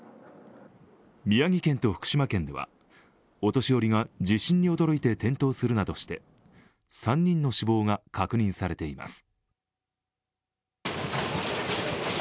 宮城県と福島県ではお年寄りが地震に驚いて転倒するなどして３人の死亡が確認されています。